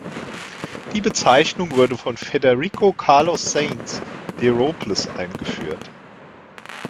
Die Bezeichnung wurde von Federico Carlos Sainz de Robles eingeführt.